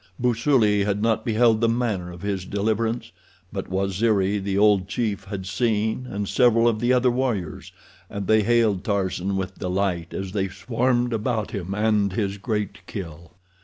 Busuli had not beheld the manner of his deliverance, but Waziri, the old chief, had seen, and several of the other warriors, and they hailed Tarzan with delight as they swarmed about him and his great kill.